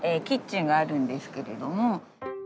キッチンがあるんですけれども。